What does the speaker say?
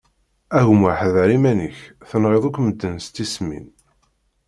A gma ḥder iman-ik, tenɣiḍ akk medden s tismin.